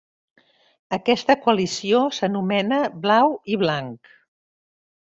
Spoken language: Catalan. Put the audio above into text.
Aquesta coalició s'anomena Blau i Blanc.